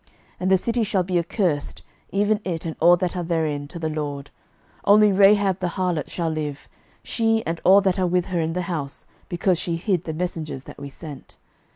06:006:017 And the city shall be accursed, even it, and all that are therein, to the LORD: only Rahab the harlot shall live, she and all that are with her in the house, because she hid the messengers that we sent.